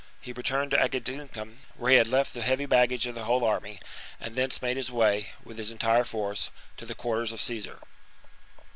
He returned to Agedincum, where he had left the heavy baggage of the whole army, and thence made his way, with his entire force, to the quarters of Caesar.